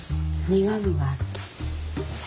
苦みがある。